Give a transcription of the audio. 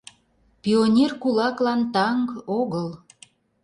Пионер кулаклан таҥ огыл.